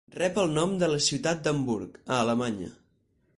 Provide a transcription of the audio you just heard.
Rep el nom de la ciutat d'Hamburg, a Alemanya.